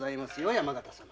山形様。